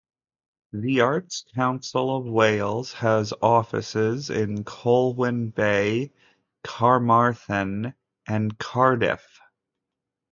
The Arts Council of Wales has offices in Colwyn Bay, Carmarthen and Cardiff.